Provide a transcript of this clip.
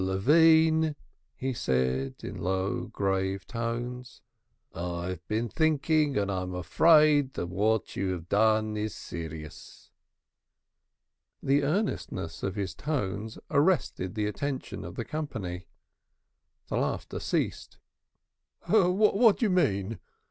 Levine," he said, in low grave tones, "I have been thinking, and I am afraid that what you have done is serious." The earnestness of his tones arrested the attention of the company. The laughter ceased. "What do you mean?"